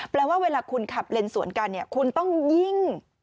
เวลาว่าเวลาคุณขับเลนสวนกันเนี่ยคุณต้องยิ่ง